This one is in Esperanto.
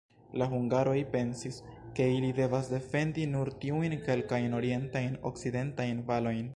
La hungaroj pensis, ke ili devas defendi nur tiujn kelkajn orientajn-okcidentajn valojn.